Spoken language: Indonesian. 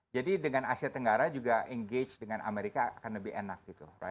jadi dengan asia tenggara juga engage dengan amerika akan lebih enak gitu